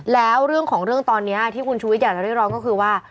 แล้วเรื่องของเรื่องตอนนี้ที่คุณชุวิตอยากจะเรียกร้องก็คือว่า